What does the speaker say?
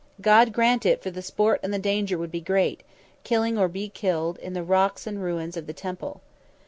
God grant it, for the sport and the danger would be great, killing or being killed, in the rocks and ruins of the Temple.